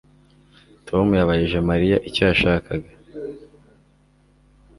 Tom yabajije Mariya icyo yashakaga